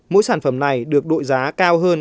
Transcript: mỗi sản phẩm này được đội giá cao hơn